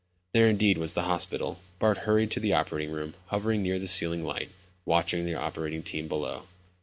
There indeed was the hospital. Bart hurried to the operating room, hovering near the ceiling light, watching the operating team below.